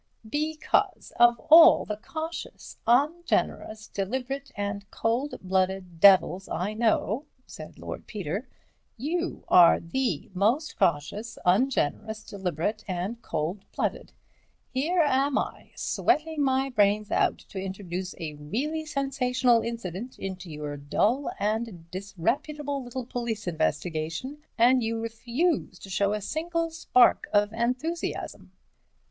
"Because of all the cautious, ungenerous, deliberate and cold blooded devils I know," said Lord Peter, "you are the most cautious, ungenerous, deliberate and cold blooded. Here am I, sweating my brains out to introduce a really sensational incident into your dull and disreputable little police investigation, and you refuse to show a single spark of enthusiasm."